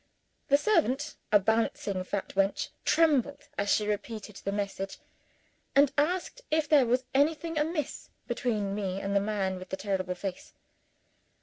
The servant, a bouncing fat wench, trembled as she repeated the message, and asked if there was anything amiss between me and the man with the terrible face.